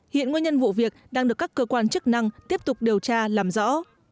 hiện nguyên nhân vụ việc đang được các cơ quan chức năng tiếp tục điều tra làm rõ